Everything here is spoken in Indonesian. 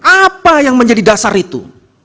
apa yang menjadi dasar itu